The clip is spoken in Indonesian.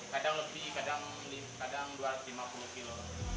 kadang lebih kadang dua ratus lima puluh kilo